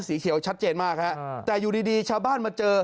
สีเขียวชัดเจนมากฮะแต่อยู่ดีชาวบ้านมาเจอ